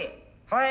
はい。